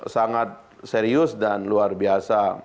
sangat serius dan luar biasa